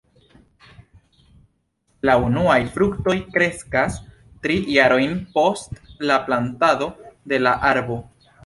La unuaj fruktoj kreskas tri jarojn post la plantado de la arbo.